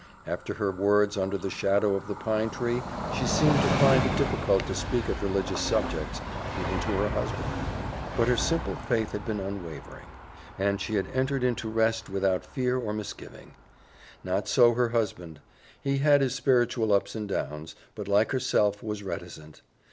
After her words under the shadow of the pine tree she seemed to find it difficult to speak of religious subjects, even to her husband; but her simple faith had been unwavering, and she had entered into rest without fear or misgiving. Not so her husband. He had his spiritual ups and downs, but, like herself, was reticent.